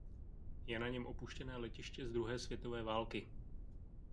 Je na něm opuštěné letiště z druhé světové války.